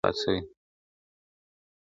د اوږدې او لاعلاجه ناروغۍ له امله، وفات سوی دی ,